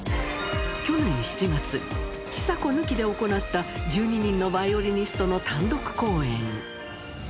去年７月、ちさ子抜きで行った１２人のヴァイオリニストの単独公演。